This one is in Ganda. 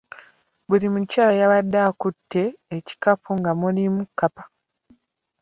Buli mukyala yabadde akutte ekikapu nga mulimu kkapa.